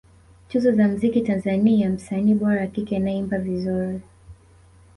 Tuzo za mziki Tanzania msanii bora wa kike anayeimba vizuri